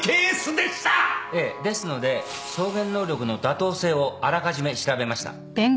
ええですので証言能力の妥当性をあらかじめ調べました。